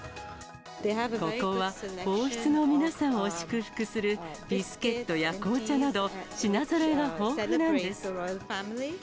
ここは王室の皆さんを祝福するビスケットや紅茶など、品ぞろえが豊富なんです。